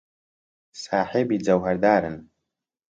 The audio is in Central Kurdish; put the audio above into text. ساحێبی جەوهەردارن.